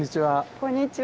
こんにちは。